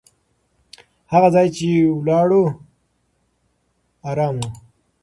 هغه ځای چې ولاړو، ارام و.